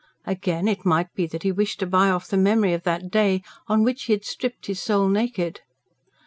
Again, it might be that he wished to buy off the memory of that day on which he had stripped his soul naked.